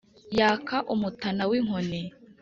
yaka umutana w’ inkoni